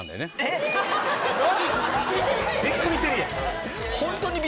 びっくりしてるやん。